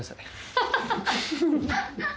ハハハハ。